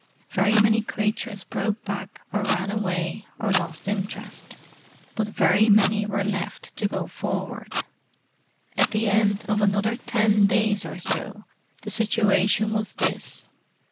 Very many creatures broke back or ran away or lost interest, but very many were left to go forward. At the end of another ten days or so the situation was this.